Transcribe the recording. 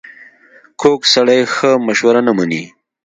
کوږ سړی ښه مشوره نه مني